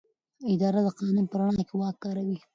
اداره د قانون په رڼا کې واک کاروي.